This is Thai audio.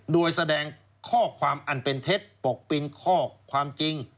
โดยแสดงข้อความอันเป็นเท็จปกปิงข้อความจริง